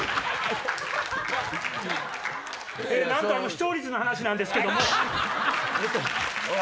視聴率の話なんですけども。